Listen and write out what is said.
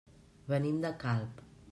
Venim de Calp.